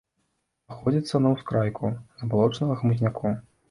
Знаходзіцца на ўскрайку забалочанага хмызняку.